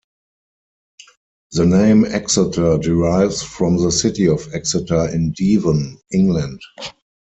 The name Exeter derives from the city of Exeter in Devon, England.